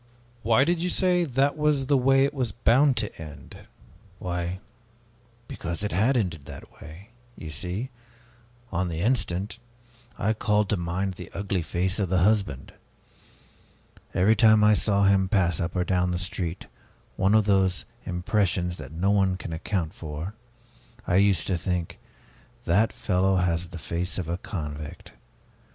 '" "Why did you say, 'That was the way it was bound to end'?" "Why because it had ended that way! You see on the instant, I called to mind the ugly face of the husband. Every time I saw him pass up or down the street one of those impressions that no one can account for I used to think, 'That fellow has the face of a convict!'